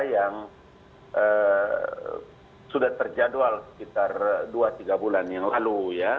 yang sudah terjadwal sekitar dua tiga bulan yang lalu